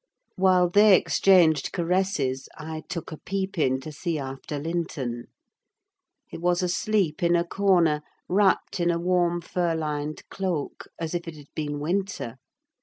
While they exchanged caresses I took a peep in to see after Linton. He was asleep in a corner, wrapped in a warm, fur lined cloak, as if it had been winter.